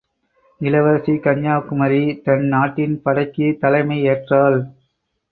இளவரசி கன்யாகுமரி தன் நாட்டின் படைக்குத் தலைமை ஏற்றாள்.